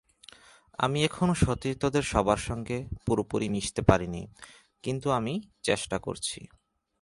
আমি এখনো সতীর্থদের সবার সঙ্গে পুরোপুরি মিশতে পারিনি, কিন্তু আমি চেষ্টা করছি।